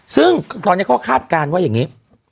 ซึ่งตอนนี้เขาคาดการณ์ว่าอย่างนี้